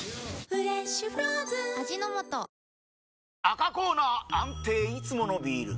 赤コーナー安定いつものビール！